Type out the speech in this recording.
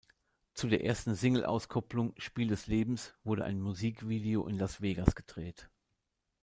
Zu der ersten Singleauskopplung "Spiel des Lebens" wurde ein Musikvideo in Las Vegas gedreht.